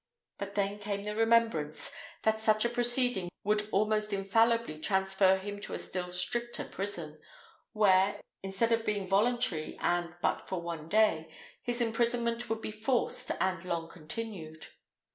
But then came the remembrance that such a proceeding would almost infallibly transfer him to a still stricter prison, where, instead of being voluntary and but for one day, his imprisonment would be forced and long continued.